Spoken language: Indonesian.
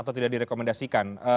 atau tidak direkomendasikan